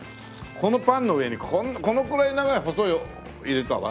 このパンの上にこのくらい長い細い入れたら？